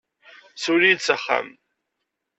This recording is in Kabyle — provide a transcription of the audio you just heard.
Siwel-iyi-d s axxam.